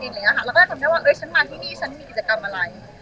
เราก็จะจำได้ว่าฉันมาที่นี่ฉันมีกิจกรรมอะไร